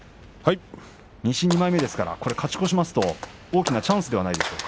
西２枚目ですから勝ち越しますと大きなチャンスではないでしょうか？